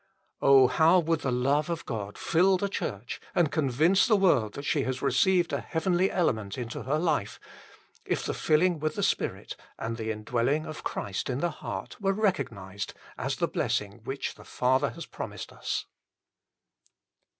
how would the love of God fill the Church and convince the world that she has received a heavenly element into her life, if the filling with the Spirit and the indwelling of Christ in the heart were recognised as the blessing which the Father has promised us